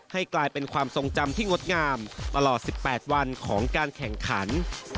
ให้กลายเป็นความทรงจำที่งดงามตลอด๑๘วันของการแข่งขัน